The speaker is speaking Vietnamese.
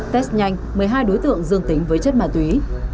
test nhanh một mươi hai đối tượng dương tính với chất ma túy